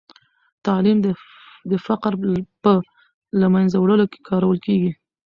تعلیم د فقر په له منځه وړلو کې کارول کېږي.